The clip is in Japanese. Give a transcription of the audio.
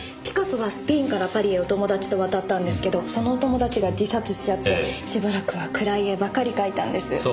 ピカソはスペインからパリへお友達と渡ったんですけどそのお友達が自殺しちゃってしばらくは暗い絵ばかり描いたんです。